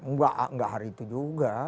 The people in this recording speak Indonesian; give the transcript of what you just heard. enggak hari itu juga